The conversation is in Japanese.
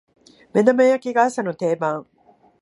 目玉焼きが朝の定番